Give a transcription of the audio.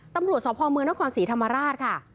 ตำรวจสพเมืองนครศรีธรรมราชค่ะ